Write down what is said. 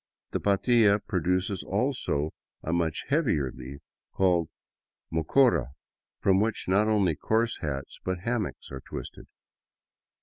The Patia produces also a much heavier leaf, called mocora, from which not only coarse hats but hammocks are twisted.